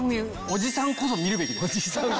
「おじさんこそ見るべき」。